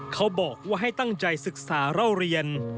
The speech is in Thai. เขาบอกว่าให้ตั้งใจศึกษาเล่าเรียน